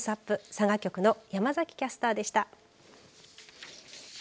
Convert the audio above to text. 佐賀局の山崎キャスターでした。